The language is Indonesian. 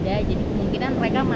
jadi kemungkinan mereka masuk